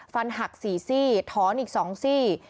ฟันหักสี่ซีถอนอีกสองซี